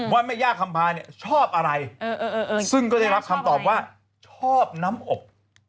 แม่ย่าคำพาเนี่ยชอบอะไรซึ่งก็ได้รับคำตอบว่าชอบน้ำอบ